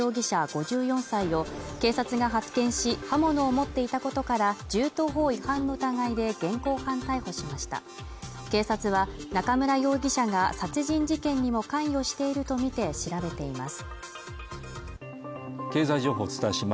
５４歳を警察が発見し刃物を持っていたことから銃刀法違反の疑いで現行犯逮捕しました警察は中村容疑者が殺人事件にも関与してるとみて調べています